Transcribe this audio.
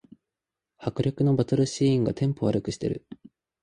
迫力のバトルシーンがテンポ悪くしてる